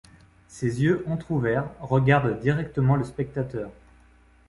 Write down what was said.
Ses yeux entrouverts regardent directement le spectateur.